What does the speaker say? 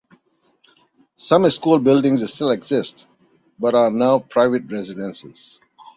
Some school buildings still exist but are now private residences.